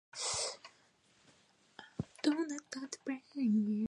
A doctor was consulted, and he attributed the death to heart disease.